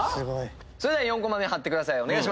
それでは４コマ目張ってください。